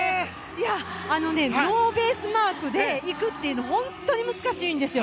ノーベースマークで行くというのは本当に難しいんですよ。